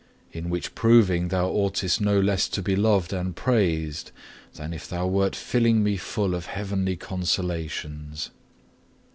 In which proving Thou oughtest no less to be loved and praised, than if Thou wert filling me full of heavenly consolations.